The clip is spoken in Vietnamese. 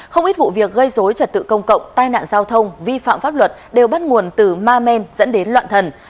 không ít vụ việc gây dối trật tự công cộng tai nạn giao thông vi phạm pháp luật đều bắt nguồn từ ma men dẫn đến loạn thần